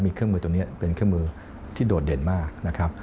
มีเครื่องมือตัวนี้เป็นเครื่องมือที่โดดเด่นมากนะครับ